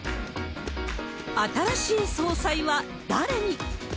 新しい総裁は誰に？